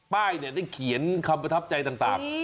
ได้เขียนคำประทับใจต่าง